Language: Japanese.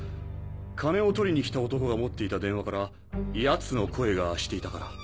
金を取りに来た男が持っていた電話から奴の声がしていたから。